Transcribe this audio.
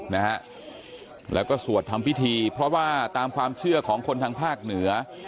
นะฮะแล้วก็สวดทำพิธีเพราะว่าตามความเชื่อของคนทางภาคเหนือ